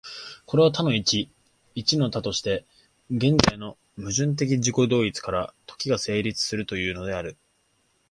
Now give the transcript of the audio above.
これを多の一、一の多として、現在の矛盾的自己同一から時が成立するというのである。